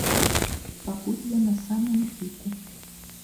Пакуль я на самым піку.